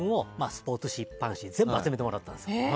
スポーツ紙、一般紙全部集めてもらったんです。